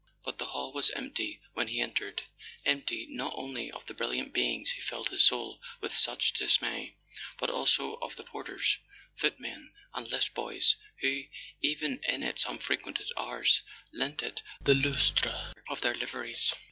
But the hall was empty when he entered, empty not only of the brilliant beings who filled his soul with such dismay, but also of the porters, footmen and lift boys who, even in its unfrequented hours, lent it the lustre of their liveries.